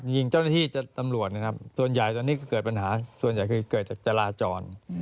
ยิงเจ้าหน้าที่จากตำรวจส่วนใหญ่ตอนนี้เกิดปัญหาส่วนใหญ่เกิดจากจราจร